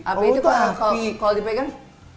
api itu kalo dipegang